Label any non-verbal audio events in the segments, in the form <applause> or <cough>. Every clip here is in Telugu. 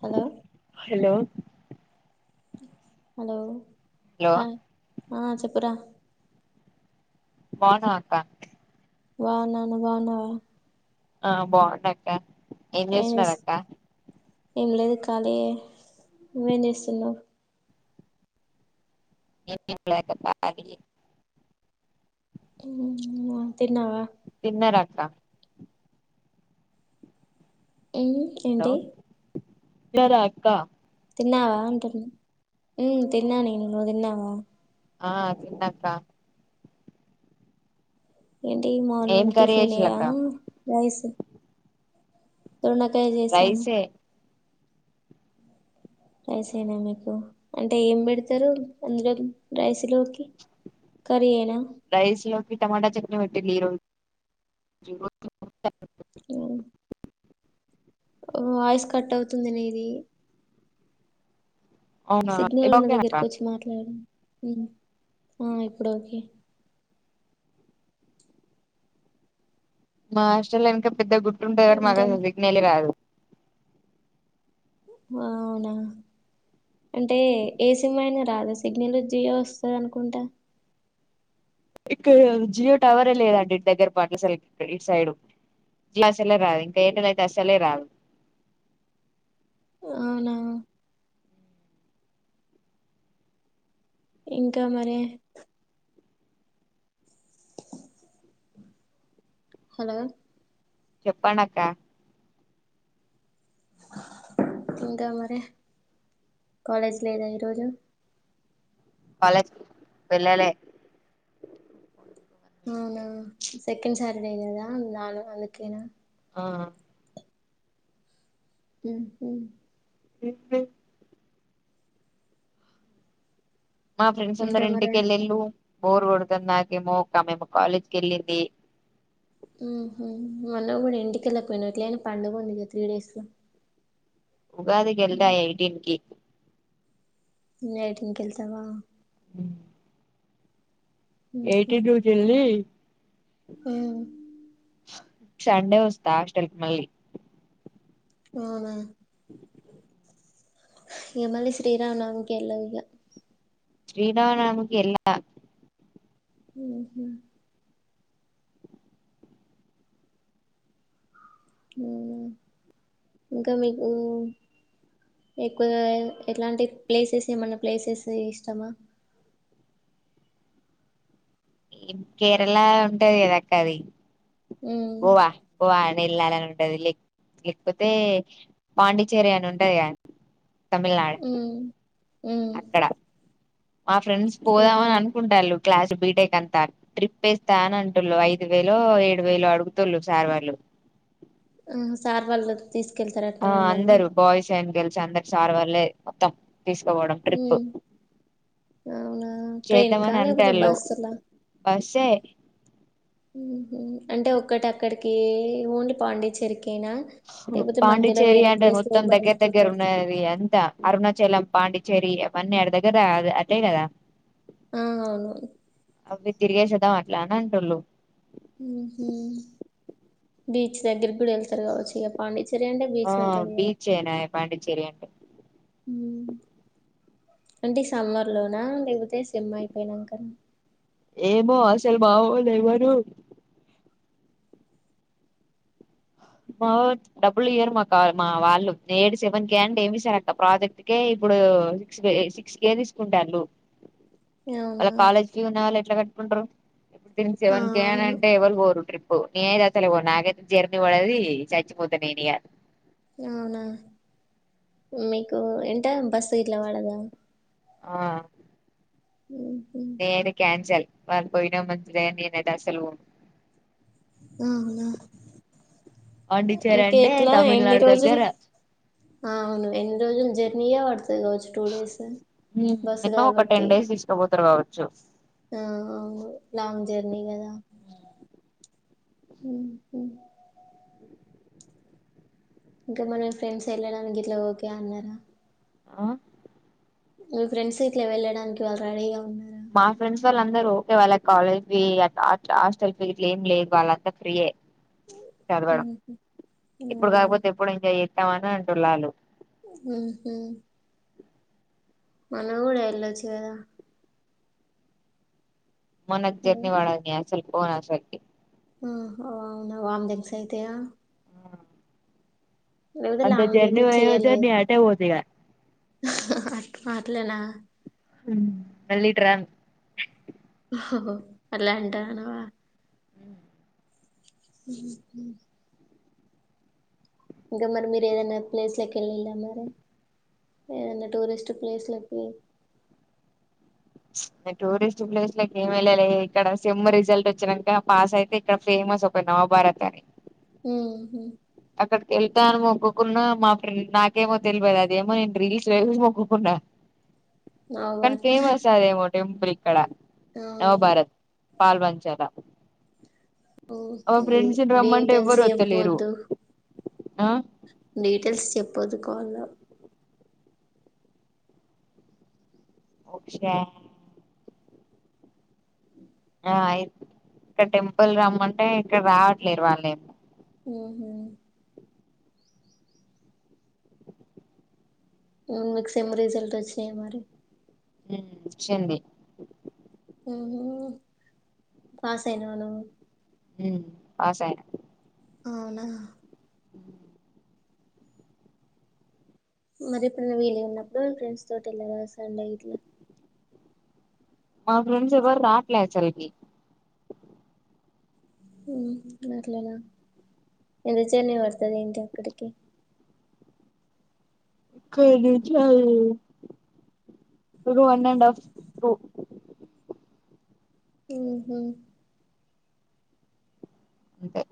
Hello hello hello hello hi ఆ చెప్పురా బాన్నవ అక్క బాన్నను నువు బాన్నవ ఆ బాగున్నాక్క ఏం చేస్తున్నారు అక్క ఏం లేదు ఖాళీయే నువ్వేం చేస్తున్నావు <unintelligible> మ్మ్ హా తిన్నావా తిన్నారా అక్క ఏం ఏంటి జర అక్క తిన్నావా అంటున్న, మ్ తిన్నా నేను నువ్వు తిన్నావా ఆ తిన్నాక్క ఏంటి ఏం మార్నింగ్ కర్రీ టిఫిన్ ఏఆ చేసిల్లక్క రైస్ హ్మ్ దొండకాయ చేసాను రైసే రైస్ అయినా మీకు అంటే ఏం పెడతారు అందులో రైస్ ఇడ్లుకి కర్రీ యేన వట్టింది ఈరోజు <unintelligible> ఆ వాయిస్ కట్ అవుతుంది నీది అవునా సిగ్నల్ ఉన్న దగ్గరకు ఓకేనక్క వచ్చి మాట్లాడు మ్మ్ ఆ ఇప్పుడు ఓకే మా హాస్టల్లో ఇంకా పెద్ద గుర్త్ ఉంటాందగని మక్ ఇంకా అసల్ సిగ్నేలే రాదు ఆ అవునా అంటే ఏ సిమ్ అయినా రాదా సిగ్నలు జియో వస్తది అనుకుంటా ఇక్కడ జియో టవరే లేదండి ఇట్ దగ్గర పాట్ల అసలు ఇ సైడ్ జియో అసలే రాదు ఇంకా ఏంటది అతే అసలే రాదు అవునా ఇంకా మరే హలో చెప్పండక్కా ఇంకా మరి కాలేజ్ లేదా ఈరోజు కాలేజ్ వెళ్ళాలే అవునా సెకండ్ సాట్ సాటర్డే కదా నేన్ రాను అందుకేనా ఆ మ్మ్హ్ మా ఫ్రెండ్స్ ఇంకా అందరు మరి ఇంటికెళ్ళిళ్ళు బోర్ కొడుతుంది నాకేమో ఒకమేమో కాలేజ్ కెళ్లింది మ్మహు మొన్న కూడా ఇంటికెలకపోయినవ ఎట్లైన పండుగ ఉంది కదా త్రీ డేస్ ల ఉగాదికెళ్తా ఎయిటీన్ కీ ఏయిటీన్కెళ్తావా ఎయిటీన్ రోజేల్లి మ్మ్ సండే వస్తా హాస్టల్ కి మళ్ళీ అవునా ఇగ మళ్ళీ శ్రీరామానవమికి ఎల్లవ్ ఇగ శ్రీరామానవమికి ఎల్లా మ్మహ్ మ్మ్ ఇంకా మీకు ఎక్కువ ఎట్లాంటి ప్లేసెస్ ఏమన్నా ప్లేసెస్ ఇష్టమా కేరళ ఉంటది కదాక్క అది ఉమ్ గోవా గోవా అ వెళ్లాలని ఉంటది లేక్ లేకపోతే పాండిచెర్రీ అని ఉంటది కదా తమిళనాడు ఉమ్ ఉమ్ అక్కడ మా ఫ్రెండ్స్ పోదాం ఏమో అని అనుకుంటాన్లు క్లాస్ బీటెక్ అంతా ట్రిప్ వేస్తా అని అంటుళు ఐదు వేలో ఏడు వేలో అడుగుతుళు సార్ వాళ్ళు హ్మ్ సార్ వళ్ల్దు ఆ అందరు బాయ్స్ అండ్ గర్ల్స్ అందరి సార్ వళ్లే మొత్తం తీసుకపోవడం ట్రిప్పు ఉమ్ అవునా ఆ ట్రైన్ కా లేకపోతే బస్సుల వస్తే అంటే ఒక్కటి అక్కడికి ఓన్లీ పాండిచ్చేరికి పాండిచ్చేరి అంటే ప్లేస్ లో మొత్తం ఏమైనా దగ్గర దగ్గర చూపె ఉన్నది అది అంతా అరుణాచలం పాండిచ్చేరి మొన్న అడదేగదా అ అదే కదా ఆ అవును అవి తిరిగేసేద్దాం అట్లా అని అంటుళ్ళు ఉహూ బీచ్ దగ్గరికి కూడా వెళ్తారు కావచ్చు ఇక పాండి ఆ బీచెనా పాండిచ్చేరి అంటే అంటే సమ్మర్లోనా లేకపోతే సెమ్ అయిపోయినాక ఏమో అసలు బావో లే ఎవ్వరు మా డబ్బులు ఇయ్యరు మాకు మా వాళ్ళు ఏటి సెవెన్ కే అంటే ఏమి ఇస్తారు అక్క ప్రాజెక్ట్ కే ఇప్పుడు సిక్స్ సిక్స్ కే తీసుకుంటాళ్ళు మళ్ళ అవునా కాలేజీకి <unintelligible> ఉన్నాాల ఎట్ల పెట్టుకుంటరు సిక్స్ ఆ సెవెన్ కే అవును అంటే ఎవళు బోరు నేనైతే అసలు బోను నాకైతే <unintelligible> పడేది చచ్చిపోత నేనీయ అవునా మీకు ఏంట బస్సు ఇట్లా పడదా ఆ ఉహు నేను క్యాన్సల్ వాళ్ళు పోయినా మంచిదే నేనైతే అస్సలు పోను అవునా పాండిచ్చేరి ఇంక అంటే ఎట్లా ఎన్ని తమిళనాడు రోజులు దగ్గర అవును ఎన్ని రోజులు జర్నీయే పడుతుది రోజు టూ డేస్ బస్సు కాబట్టి చెఫ్ ఆ లాంగ్ జెర్నీ గదా ఇంకా మనం ఫ్రెండ్స్ వెళ్ళడానికి ఇట్లా ఓకే అన్నారా ఆ మీ ఫ్రెండ్స్ ఇట్ల వెళ్ళడానికి వాళ్ళు రెడీగా ఉన్ మా ఫ్రెండ్స్ వాళ్ళందరూ ఓకే వాళ్ళ కాలేజ్ ఫీ హాస్టల్ ఫీ ఇ ఏం లేదు వాళ్ళంతా ఫ్రీయే చదవడం ఉహు ఇప్పుడు అవును కాకపోతే ఎప్పుడు ఎంజాయ్ చేస్ ఏవన్నా అంటుళ్ళ ఆళ్ళు ఊహూ మనం గూడా ఎల్లొచ్చుగదా మనక్ జర్నీ పడద్ క్యా స్సలు పోను అస్సలకి హ్మ్ ఆ వాంతింగ్స్ అయితయ <inaudible> అంత జర్నీ వయ్యో జర్నీ ఆటే ఓదుగా అట్లానా హ్మ్ మళ్ళీ ఇటు రాను అట్లాంటనవా హ్మ్ హు హు ఇంకా మరి మీరు ఏదైనా ప్లేస్లకి వెళ్ళిళ్ళా మీరు ఏదైనా టూరిస్ట్ ప్లేస్లకి పోయ్ టూరిస్ట్ ప్లేస్ లోకి ఏమి వెళ్ళాల ఇక్కడ సిమ్ రిజల్ట్ వచ్చినాక పాస్ అయితే ఇక్కడ ఫేమస్ ఒక నవభారత్ అని హ్మ్ వెళ్తా అని మొక్కుకున్నా మా ఫ్రెం నాకేమో తెల్వదు అదేమో నేను రీల్స్ రేవు మొక్కుకున్నా అవు అది ఏమో టెంపుల్ కి ఇక్కడ నవభారత్ పాల్ బంంచాల ఓ డీటెయిల్స్ ఏం వత్తలేరు పోద్దు ఆ డీటెయిల్స్ చెప్పు పొద్దు కోవల్ల ఓక్షా ఆ అయి ఇక్క టెంపుల్ రమ్మంటే ఇక్కడ రావట్లేరు వాళ్ళేమో ఓహో ఉన్ మీ సేమ్ రిజల్ట్ వచ్చినాయ మరి హ్మ్ చెంది హ్మ్మ్ పాసైనవా నువ్ ఉ పాస అయన అవునా మరి ఇప్పుడు న వీళ్ళ ఉన్నప్పుడు ఫ్రెండ్స్ తోటి వెళ్ళ వస్తాండ ఇట్లా మా ఫెండ్స్ ఎవ్వరు రాట్లే అస్సల్కి హ్మ్ మర్లేనా పిలుస్తానే వస్తది ఏంటీ అక్కడికి కలిచాము ఇది వన్ అండ్ ఆఫ్ టూ హ్మ్ హు అంతే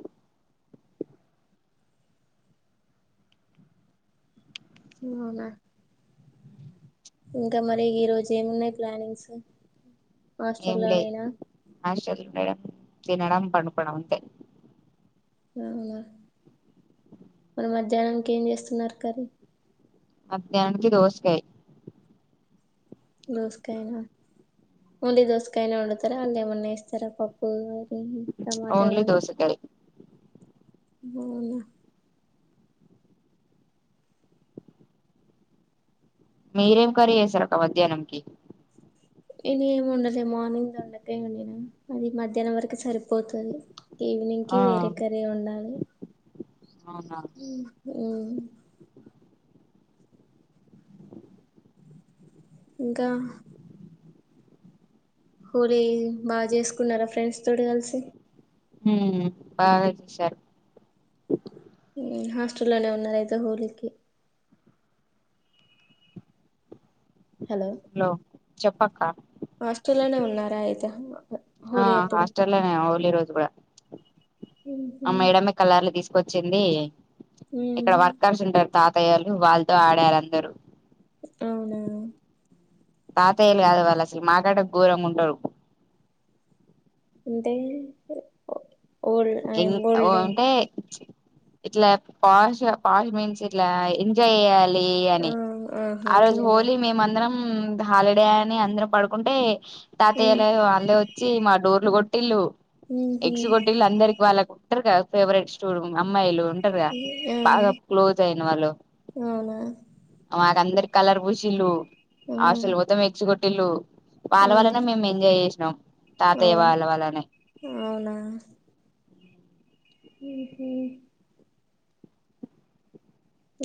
హు అవున ఇంకా మరి ఈరోోజు ఏమున్నాయి ప్లానింగ్స్ ఏం హాస్టల్ లో లే నేనా హాస్టల్ పెడం తినడం పన్నుకోడం అంతే అవునా మరి మధ్యాహ్నాంనికి ఏం చేస్తున్నారు కర్రీ మధ్యాహ్ననికి దోసకాయ్ దోసకాయనా ఓన్లీ దోసకాయనా వండుతారా అందులో ఏమన్నా ఏస్తారా పప్పు హ్మ్ టమాట ఓన్లీ గానీ దోసకాయ్ అవునా మీరేం కర్రీ చేసారక్కా మధ్యాహ్నంకి నేను ఏమి వండలే మార్నింగ్ దొండకాయ వండిన అది మధ్యాహ్నం వరకు సరిపోతది ఈవినింగ్ ఆ కి వేరే కర్రీ వండాలి. అవునా హ్మ్ ఇంకా హోలీ బా చేసుకున్నారా ఫ్రెండ్స్ తోటి కలిసి హ్మ్ బాగా చూసారు హాస్టల్లోనే ఉన్నారు అయితే హోలీ కి హలో చెప్పక్కా హాస్టల్లోనే ఉన్నారా అయితే ఆ హోలీ అప్పుడు హాస్టల్లోనే ఓలీ రోజు కూడా ఉహు ఆ మేడమే కలర్లు తీసు కొచ్చింది ఉమ్ ఇక్కడ వర్కర్స్ ఉంటారు తాతయ్యలు వాళ్ళతో ఆడారు అందరూ అవునా తాతయ్యలు కాదు వాళ్ళసలు మాకంటే ఘోరంగా ఉంటరు. అంటే ఓల్డ్ ఎం ఓ ఓల్డ్ అంటే ప్చ్ ఇట్లా పాష్ పాష్ మీన్స్ ఇట్లా ఎంజాయ్ చెయ్యాలి లీ అని ఆ ఆహా ఆ రోజు అట్లేనా హోలీ మేమందరం హ్మ్ హాలిడే అని అందరూ పడుకుంటే తాతయ్యా లు వాళ్ళే వచ్చి మ డోర్లు కొట్టిల్లు ఉమ్ ఉహు ఎగ్స్ కొట్టిల్లు అందరి వాళ్ళ కుంటరు గా ఫేవరెట్ స్టూ అమ్మాయిలు ఉంటరు గా ఆ బాగా క్లోజ్ అయిన వాళ్ళు అవునా వాళ్శందర కలర్ బూసిల్లు ఆ ఆసలు అవును ఉత్తం ఎక్చ్చు కొ ఇల్లు వాళ్ళ వల్లనే మేము ఎంజాయ్ చేసినాం తాతయ్య అవును వాళ్ళ వల్లనే హ్మ్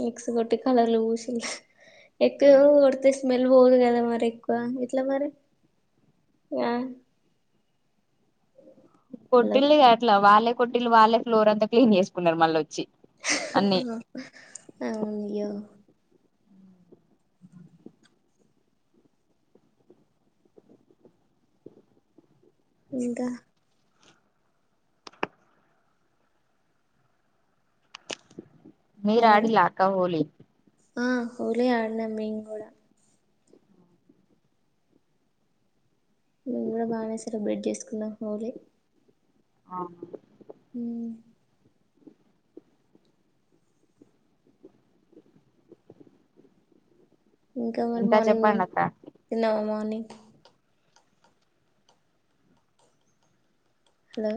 ఎగ్స్ కొట్టి కలర్లు పూసి ఎక్కువగా కొడితే స్మెల్ పోదు కదా మరి ఎక్కువ ఎట్లా మరి ఆ హలో పొట్టిల్ని కట్టలా వాళ్ళే కొట్టిళ్లు వాళ్ళే ఫ్లోర్ అంతా క్లీన్ చేసుకున్నారు మళ్ళీ వచ్చి అన్ని అవునుయ్యో <inaudible> ఇంకా మీరు హలో ఆడిల్లా అక్క హోలి ఆ హోలీ ఆడినం మెమ్ కూడా నేను కూడా బాగానే సెలబ్రేట్ చేసు న్నా అరి <unintelligible> ఆ ఉ ఇంకా మరి ఇంక చెప్పండి మార్నింగ్ అక్క తిన్నావా మార్నింగ్ <inaudible> హలో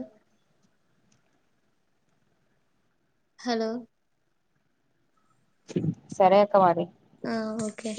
హలో సరే అక్క మరి ఆ ఓకే